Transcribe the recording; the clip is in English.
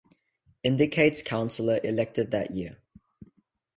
Indicates Councillor elected that year.